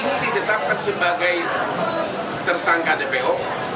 ini ditetapkan sebagai tersangka dpo